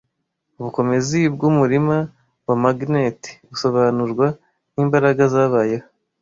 Ubukomezi bwumurima wa magneti busobanurwa nkimbaraga zabayeho